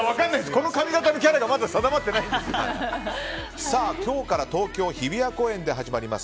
この髪形のキャラが今日から東京・日比谷公園で始まります